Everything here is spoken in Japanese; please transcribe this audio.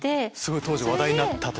当時話題になった。